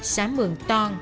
xá mường ton